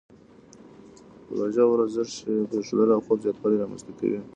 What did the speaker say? روزه ورزش پرېښودل او خوب زیاتوالی رامنځته کوي.